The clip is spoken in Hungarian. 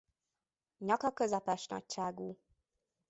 Nyaka közepes nagyságú.